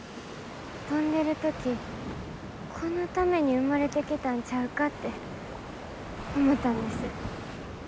飛んでる時このために生まれてきたんちゃうかって思ったんです。